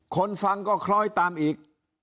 คนฟังก็คล้อยตามอีก